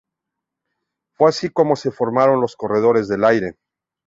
Fue así como se formaron los “corredores del aire".